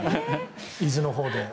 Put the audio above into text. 伊豆のほうで。